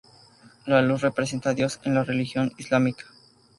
La luz representa a Dios en la religión islámica.